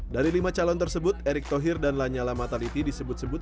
dari lima calon tersebut erick thohir dan lanyala mataliti disebut sebut